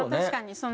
確かに。